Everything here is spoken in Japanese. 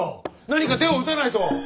何か手を打たないと。